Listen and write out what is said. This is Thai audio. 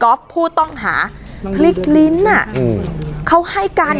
สลับผัดเปลี่ยนกันงมค้นหาต่อเนื่อง๑๐ชั่วโมงด้วยกัน